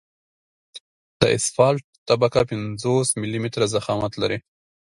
د اسفالټ طبقه پنځوس ملي متره ضخامت لري